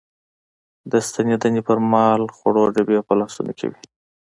د ستنېدنې پر مهال خوړو ډبي په لاسونو کې وې.